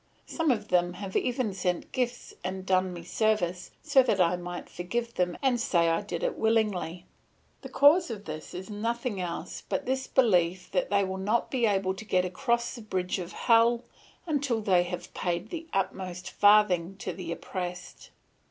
Some of them have even sent gifts and done me service, so that I might forgive them and say I did it willingly; the cause of this is nothing else but this belief that they will not be able to get across the bridge of hell until they have paid the uttermost farthing to the oppressed."